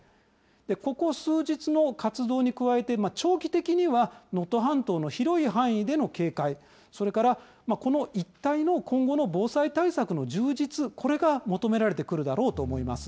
ここ数日の活動に加えて、長期的には、能登半島の広い範囲での警戒、それからこの一帯の今後の防災対策の充実、これが求められてくるだろうと思います。